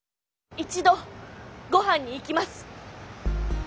一度ごはんに行きます。